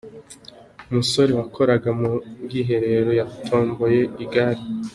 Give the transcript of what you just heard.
Umusore wakoraga mu bwiherero yatomboye igare.